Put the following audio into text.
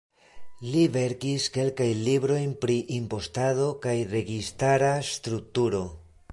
Li verkis kelkajn librojn pri impostado kaj registara strukturo.